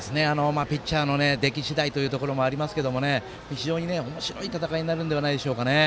ピッチャーの出来次第というところもありますがおもしろい戦いになるんじゃないでしょうか。